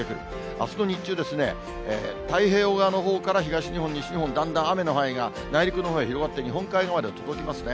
あすの日中、太平洋側のほうから東日本、西日本、だんだん雨の範囲が内陸のほうへ広がって、日本海側まで届きますね。